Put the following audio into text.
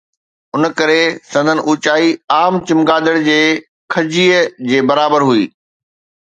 ان ڪري سندن اوچائي عام چمگادڙ جي کجيءَ جي برابر هئي